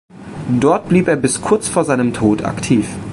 Dort blieb er bis kurz vor seinem Tod aktiv.